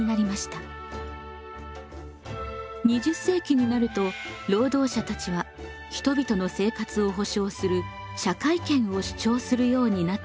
２０世紀になると労働者たちは人々の生活を保障する社会権を主張するようになったのです。